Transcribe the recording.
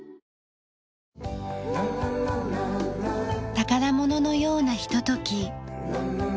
宝物のようなひととき。